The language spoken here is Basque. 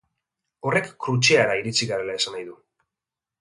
Horrek Krutxeara iritsi garela esan nahi du.